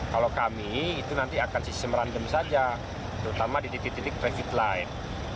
kalau kami itu nanti akan sistem random saja terutama di titik titik traffic light